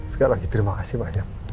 sekali lagi terima kasih banyak